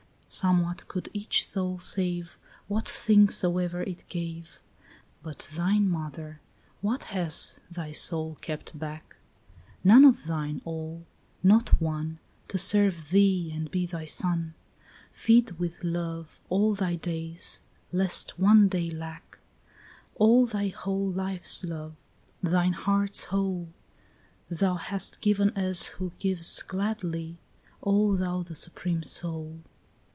5 Somewhat could each soul save, What thing soever it gave, But thine, mother, what has thy soul kept back? None of thine all, not one, To serve thee and be thy son, Feed with love all thy days, lest one day lack; All thy whole life's love, thine heart's whole, Thou hast given as who gives gladly, O thou the supreme soul.